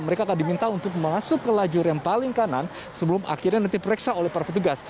mereka akan diminta untuk masuk ke lajur yang paling kanan sebelum akhirnya nanti diperiksa oleh para petugas